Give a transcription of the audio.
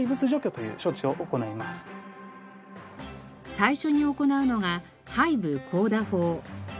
最初に行うのが背部叩打法。